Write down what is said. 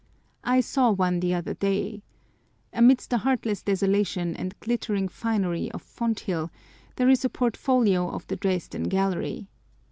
I saw one the other day. Amidst the heartless desolation and glittering finery of Fonthill, there is a portfolio of the Dresden Gallery.